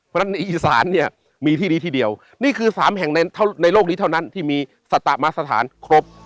เพราะฉะนั้นในอีสานเนี่ยมีที่นี้ที่เดียวนี่คือ๓แห่งในโลกนี้เท่านั้นที่มีสตมสถานครบ